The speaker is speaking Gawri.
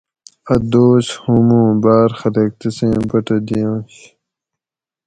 اۤ دوس ھوموں باۤر خلق تسیں بٹہ دیاںش